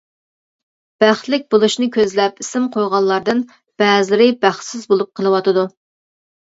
بەختلىك بولۇشنى كۆزلەپ ئىسىم قويغانلاردىن بەزىلىرى بەختسىز بولۇپ قېلىۋاتىدۇ.